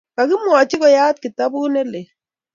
kakimwochi koyat kitabut ne lel.